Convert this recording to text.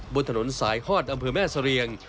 บนถนนสายฮอดอำเภอแม่เสรียง